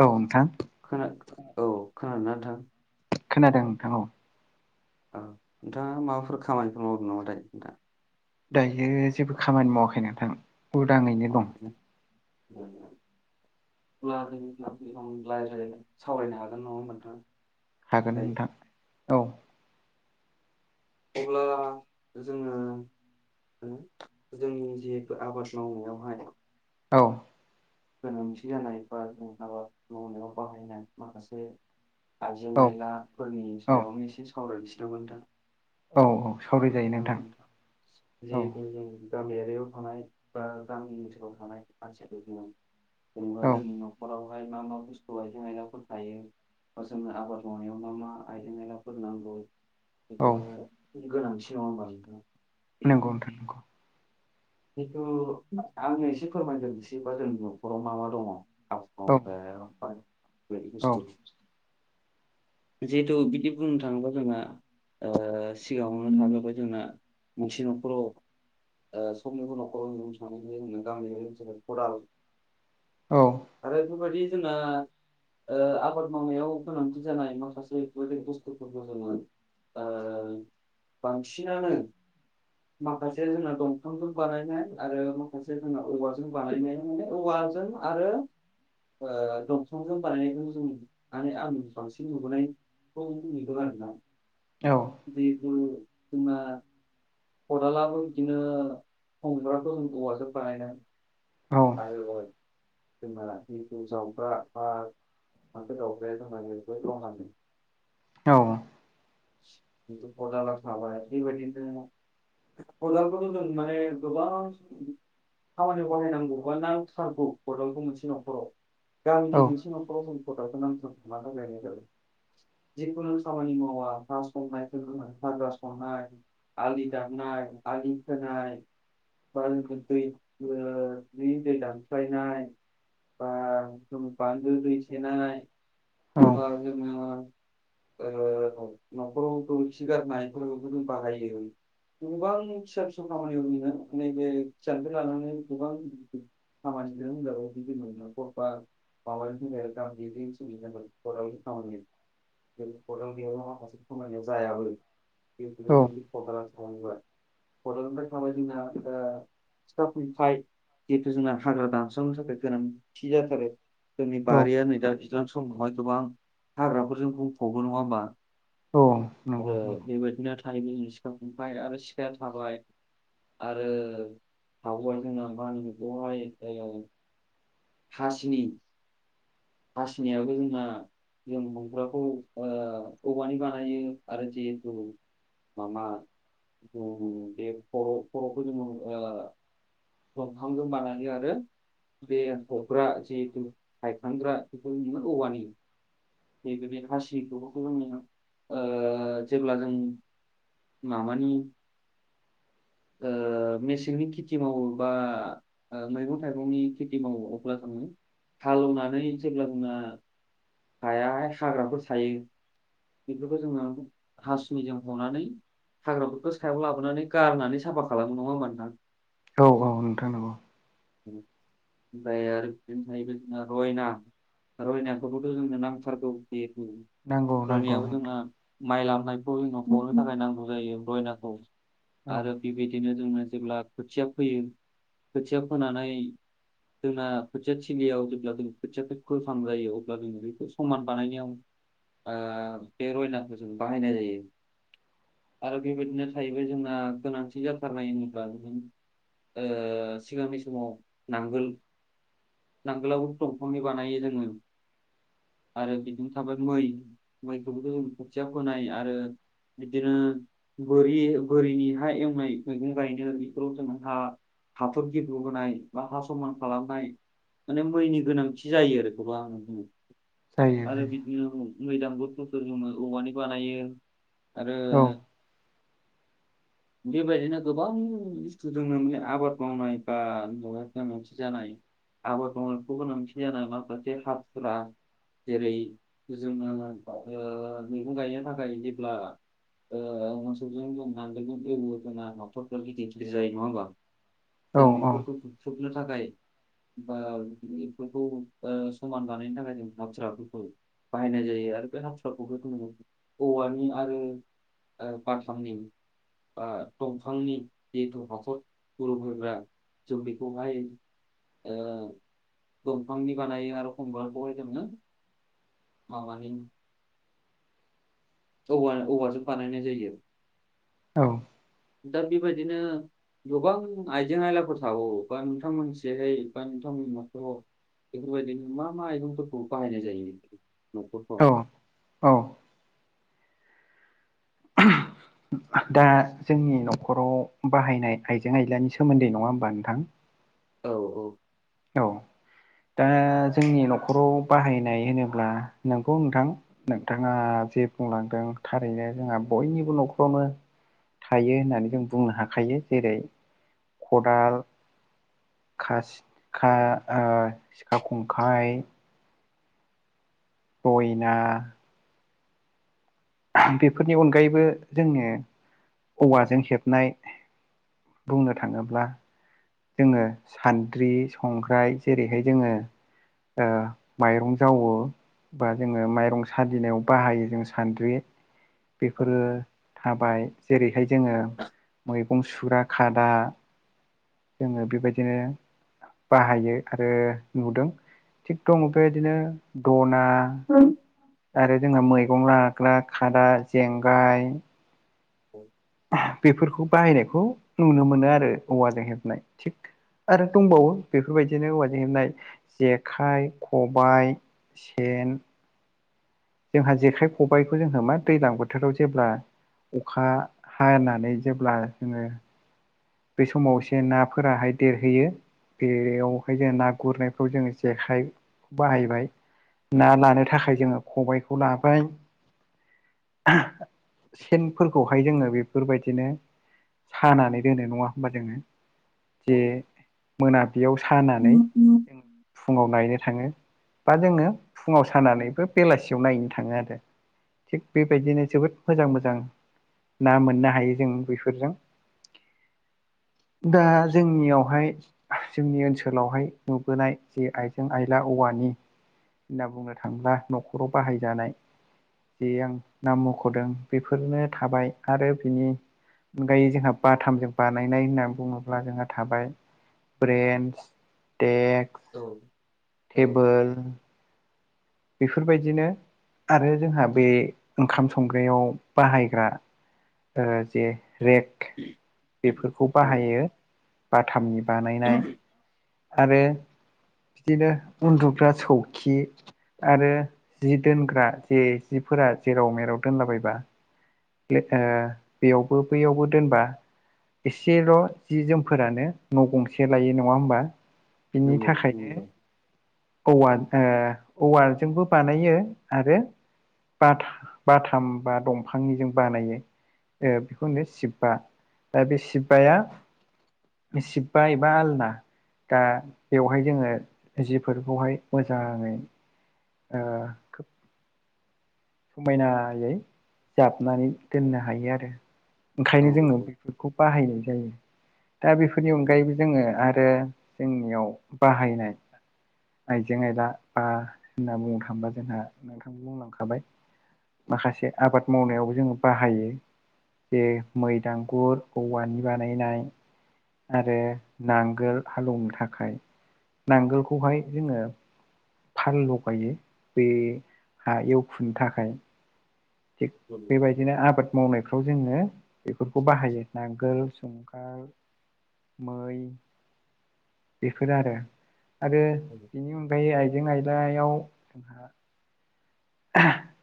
औ नोंथां। खोना औ खोनादोंना नोंथां। खोनादों नोंथां औ। औ नोंथाङा माबाफोर खामानिफोर मावदों नामाथाय दा? दायो जेबो खामानि मावाखै नोंथां उदांयैनो दं। अ [inaudible] अब्ला बे आं रायज्लायनो सावरायनो हागोन नङा होनबा नोंथां। हागोन दायो नोंथां औ। अब्ला जोङो ओ जोंनि जिहेथु आबाद मावनायावहाय औ गोनांथि जानाय बा जों आबाद मावनायाव बाहायनाय माखासे औ आइजें-आइलाफोरनि औ सायावनो एसे सावरायफिनोमोन नोंथां। औ औ सावराय जायो। आंङो नोंथां जिहेथु जों गामियारियाव थानाय बा गामि ओनसोलाव थानाय मानसिया बेदिनो जेनेबा औ जोंनि न'खरा ओमफाय मा मा बुस्थु आयजें आयलाफोर थायो। बा जोंनो आबाद मावनायाव मा मा आइजें आयलाफोर नांगौ। औ बेफोरो गोनांथि नङा होमबा नोंथां। नंगौ नोंथां नंगौ। जिथु आङो एसे फोरमाय ग्रोसै बा जोंनि न'खराव मा मा दङ। औ औ औ [unintelligible] जिहेथु बिदि बुंनो थाङोबा जोंहा ओ सिगाङावनो थाग्रोबाय जोंना मोनसे न'खराव ओ [unintelligible] औ आरो बेफोरबायदि जोंना ओ आबाद मावनायाव गोनांथि जानाय माखासे बे बुस्थुफोरखौ जोङो ओ बांसिनानो माखासे जोंना दं फांजों बानायनाय आरो माखासे जोंना औवाजों बानायनाय माने औवाजों आरो ओ दंफांजों बानायनायखौ जों आरो आं बांसिन नुबोनाय। औ नुदों आरो ना औ जिथु जोंना खदालाबो बिदिनो हमग्राखौ औवाजों बानायनाय औ [unintelligible] जोंना जिहुथु जावग्रा बा फाथो जावग्राया जोंना [unintelligible] औ [unintelligible] खदालखौथ जों माने गोबां खामानियाव बाहायनांगौ बा नांथारगौ खदालखौ मोनसे न'खराव गामिनि मोनसे न'खराव नाथारगौ जायो जिखुनु खामानि मावा हा संनाय हाग्रा संनाय आलि दामनाय आलि खोनाय [unintelligible] दुब्लिनि दै दानस्लायनाय बा बान्दो दैै सोनाय ओ औ जोंनो ओ न'खराव गोबोरखि गारननायफोरखौ बाहाय गोबां फिसा-फिसौ खामानियाव बेनो नैबे फिसाफ्राय लानानै गोबां [unintelligible] [unintelligible] जेरै खदाल गैयाब्ला माखासे खामानिया जायाबो बे औ [unintelligible] सिखा खंखाय जिहेथु जोंना हाग्रा दानस्रांनो थाखाय गोनांथिि जाथारो जोंनि बारिया औ नै दा दैज्लां समावहाय गोबां हाग्राफोरजों बुंफबो नङा होमबा औ आरो बेबायदिनो टाइमि सिखांबाय आरो सिखाया थाबाय आरो हावाय जोंबा न बेहाय जायगायाव हास्नि हासिनायाबो जोंहा जों हुमग्राखौ औवानि बानायो आरो जिहेथु माबा बे ख' खर'फोरनि दंफां गो मानानै आरो बेे हग्रा ए ह खांद्रा बे निङनौवनि बे बे हासिखौ जोंनो जेब्ला जों म मानि मेसेंनि खेथि मावोबा मैगं थाइगंनि खेथि मावो अब्ला जोङो हालेवनानै जेब्ला जोंहा हायाहाय हाग्राफोर सायो बेफोरखौ जोङो हासुनिजों हनानै हाग्राफोरखौ सायाव लाबोनानै गारनानै साफा खालाम नङामोनदां औ औ नोंथांनगौ ओमफ्राय आरो बिदिनो थबाय जोंना रयना रयनायफोरखौथ' जोंनो नांथारगौ जिहेतु नांगौ नांगौ रयनायाबो नोंथां जोंना माइ लामनायखौ जोंाव हनो थाखाय नांगौ जायो रयनाखौ औ आरो बेबायदिनो जोंङो जेब्ला खोथिया फोयो खोथिया फोनानै जोंना खोथिया थलियाव जेब्ला जों खोथिया फ फान जायो अब्ला जोङो बेखौ समान बानायनायाव पेरना जों बाहायनाय जायो आरो बेबायदिनो थाहैबाय जोंना गोनांथि जाथारनाय होनोब्ला ए सिगांनि समाव नांगोल नांगोलावबो दंफांनि बानायो जोङो आरो बिदिनो थाबाय मै मैखौबोथ' जों खोथिया फोनाय आरो बिदिनो बोरि बोरिनि हा एवनाय मैगं गायनो बेफोराव जों हा र गितु होनाय बा हा समान खालामनाय माने मैनि गोनांथि जायो आरो बेहा आं बुं जायो आरो जायो बिदिनो मैदाम गुस्थुफोर जङो औवानि बानायो आरो बेबायदिनो गोबां बुस्थुजोंनो आबाद गावनाय बा दगायफ मोनसे जानाय आबाद मावखौ गोनांथि जानाय माखासे हाथुरा जेरै जोंना मैगं गायनो थाखाय जेब्ला ओ मोसौजों जों नांगालजों एवो नफखि जथिलि जायो नङ बा औ जों बेफोरखौ औ देख्रुबनो थाखाय बा बेफोरखौ समान लानायनि थाखाय जों हाबथारा बेफोरखौ बाहायनाय जायो आरो बे हाथु्राखौबो ज औवानि आरो बारफांनि बा दंफांनि जिहेथु हाखर बर'फोर ओ जों बेखौहाय ओ दंफांनि बानायो आरो एखमबा गयजोंनो माबानि औ औवाजों बानायनाय जायो औ दा बेबायदिनो गोबां आइजें आयलाफोर थागो बा नोंथांमोनसेहाय बा नोंथांमोननि म बेफोरबायदिनो मा मा मैगंफोरखौ बाहायनाय जायो आरोखि न'खरफ्राव औ औ दा जोंनि न'खराव बाहायनाय आइजें आयलानि सोमोन्दै नङा होमबा नोंथां औ औ औ दा जोंनि न'खराव बाहायनाय होनोब्ला नोंगौ नोंथां नोंथाङा जे बुंलांदों थारैनो जोंहा बयनिबो न'खरावनो थायो होननानै जों बुंनो हाखायो जेरै खदाल खासि सिखा खंखाइ रयना बेफोरनि अनगायैबो जोङो औवाजों हेबनाय बुंनो थाङोब्ला जोङो सान्द्रि संग्राय जेरैहाय जोङो ओ माइरं जावो बा जोङो माइरं सालिनायाव बाहायो जों सान्द्रि औ बेफोरो थाबाय जेरैहाय जोङो मैगं सुग्रा खादा जोङो बेबायदिनो बाहायो आरो नुदों थिग दङ बेबायदिनो दना औ आरो जोंहा मैगं लाग्रा खादा जेंगाय औ बेफोरखौ बाहायनायखौ नुनो मोनो आरो औवाजों हेबनाय थिग आरो दंबावो बेफोरबायदिनो औवाजों हेबनाय जेखाइ खबाइ सेन जोंहा जेखाइ खबाइखौ जोंहा मा दैज्लां बोथोराव जेब्ला अखा हानानै जेब्ला जोङो बे समाव एसे नाफोराहाय देरहैयो बेयावहाय जों ना गुरनायफ्राव जोङो जेखाइ बाहायबाय ना लानो थाखाय जोङो खबायखौ लाबाय सेनफोरखौहाय जोङो बेफोरबायदिनो सानानै दोनो नङा होनोमबा जोङो औ जे मोनाबिलियाव सानानै जों फुङाव नायनो थाङो बा जोङो फुङाव सानानैबो बेलासियाव नायनो थाङो आरो थिग बेबायदिनो जोबोद मोजां मोजां ना मोननो हायो जों बेफोरजों दा जोंनियावहाय जोंनि ओनसोलावहाय नुबोनाय जे आइजें आइला औवानि होनना बुंनो थांब्ला न'खराव बाहायजानाय जे आं नाम मख'दों बेफोरनो थाबाय आरो बिनि अनगायै जोंहा बाथामजों बानायनाय होननानै बुङोब्ला जोंहा थाबाय ब्रेन्स देक्स औ टेबोल बेफोरबायदिनो आरो जोंहा बे ओंखाम संग्रायाव बाहायग्रा जे रेक बेफोरखौ औ बाहायो बाथामनि बानायनाय आरो बिदिनो उन्दुग्रा सौखि आरो जि दोनग्रा जे जिफोरा जेराव मेराव दोनलाबायबा बेयावबो बैयावबो दोनबा एसेल' जि जोमफोरानो न' गंसे लायो नङा होमबा बिनि नंगौ थाखायनो नंगौ औवा औवाजोंबो बानायो आरो बाथा बाथाम बा दंफांनिजों बानायो ओ बेखौ होनो शिबबा दा बे शिब्बाया सिबबा एबा आलना दा बेवहाय जोङो जि फोरखौहाय मोजाङै ओ समायनायै जाबनानै दोननो हायो आरो। औ ओंखायनो जोङो नंगौ। बेफोर खौ बाहायनाय जायो। दा बेफोरनि अनगायैबो जोङो आरो जोंनियाव बाहायनाय आइजें आइला बा होनना बुंनो थाङोबा जोंहा नोंथां बुंलांखाबाय माखासे आबाद मावनायावबो जोङो बाहायो। बेे मैदांगुर औवानि बानायनाय आरो नांगोल हालौवनो थाखाय। नांगोलखौहाय जोङो फाल लगायो बे हा एवखुनो थाखाय। थिग बेबायदि बिदिनो आबाद मावनायफ्राव जोङो बेफोरखौ बाहायो नांगोल, जंगाल, मै बेफोर आरो। आरो बेनि अनगायै आइजें आयलायाव जोंहा [unintelligible]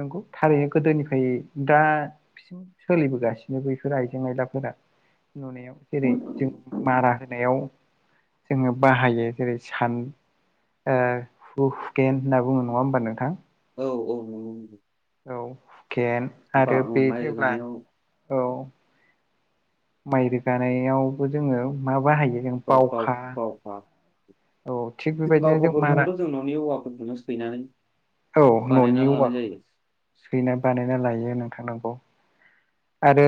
नंगौ थारैनो गोदोनिफ्राय दा सि सोलिबोगासिनो बैफोर आइजें आयलाफोरा। नुनायाव जेरै जों मारा होनायाव जोङो बाहायो जेरै सान हु हुगेन होनना बुङो नङा होमबा नोंथां? औ औ नंगौ औ हुकेन बा आरो बे माइ जेब्ला रोगानायाव औ। माइ रोगानायावबो जोङो मा बाहायो जों बा- बाव बावखा। बावखा। औ थिग बेबायदिनो जों मारा बावखाफोरखौबोथ' जों न'नि औवाफोरखौनो सैनानै औ बानायना न'नि लानाय औवाखौ। जायो सैना बानायना लायो नोंथां नंगौ। आरो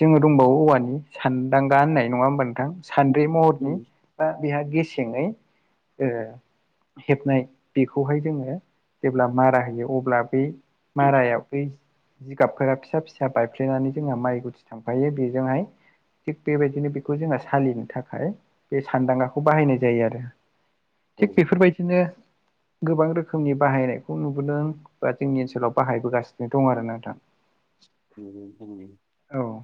जोङो दंबावो औवानि सानदांगा होननाय नङा होमबा नोंथां। सान्द्रि महरनि उम, बा बेहा गेसेङै हेबनाय। बेखौहाय जोङो जेब्ला मारा होयो अब्ला बै मारायाव बै जिगाबफोरा फिसा फिसा बाय हाबफ्लेनानै जोंहा माइ गुथि थांफायो बेजोंहाय थिग बेबायदिनो बेखौ जोंहा सालिनो थाखाय बे सान्दांगाखौ बाहायनाय जायो आरो। औ थिग बेफोरबायदिनो गोबां रोखोमनि बाहायनायखौ नुबोदों बा जोंनि ओनसोलाव बाहायबोगासिनो दं आरो नोंथां। बिदिनो जोंनि औ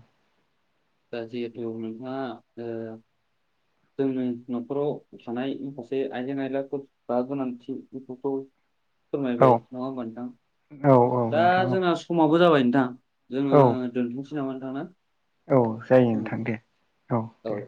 ओ जिहेथु नोंथांआ ओ जोंनि न'खराव थानाय माखासे आयजें आयलाफोरखौ बा गोनांथि बेफोरखौ औ फोरमायबाय नङा होनबा नोंथां। औ औ दा नोंथां जोंना समाबो जाबाय नोंथां। जोङो औ औ दोनथ'सै नामा नोंथां ना? औ जायो नोंथां दे औ दे।